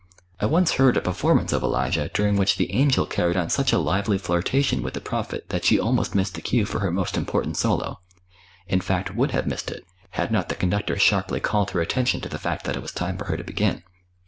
I once heard a performance of "Elijah" during which the Angel carried on such a lively flirtation with the Prophet that she almost missed the cue for her most important solo; in fact would have missed it, had not the conductor sharply called her attention to the fact that it was time for her to begin.